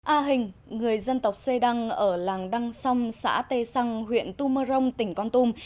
a hình người dân tộc xê đăng ở làng đăng sông xã tê săng huyện tu mơ rông tỉnh con tùm